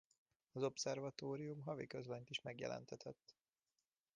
Az obszervatórium havi közlönyt is megjelentetett.